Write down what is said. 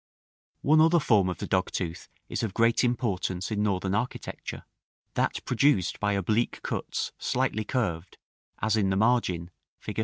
§ X. One other form of the dogtooth is of great importance in northern architecture, that produced by oblique cuts slightly curved, as in the margin, Fig.